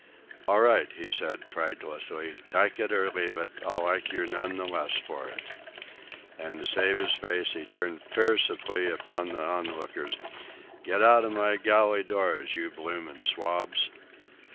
"All right," he said pridelessly, "tyke it or leave it, I'll like yer none the less for it." And to save his face he turned fiercely upon the onlookers. "Get outa my galley doors, you bloomin' swabs!"